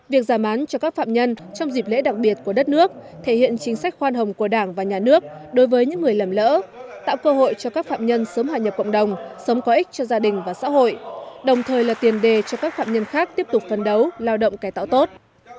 việc giảm án cho các phạm nhân trong dịp lễ đặc biệt của đất nước thể hiện chính sách khoan hồng của đảng và nhà nước đối với những người lầm lỡ tạo cơ hội cho các phạm nhân sớm hạ nhập cộng đồng sớm có ích cho gia đình và xã hội đồng thời là tiền đề cho các phạm nhân khác tiếp tục phấn đấu lao động cải tạo tốt